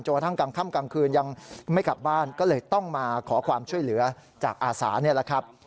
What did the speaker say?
กระทั่งกลางค่ำกลางคืนยังไม่กลับบ้านก็เลยต้องมาขอความช่วยเหลือจากอาสานี่แหละครับ